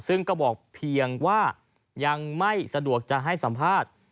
ซึ่งก็บอกเพียงว่ายังไม่สะดวกจะให้สัมภาษณ์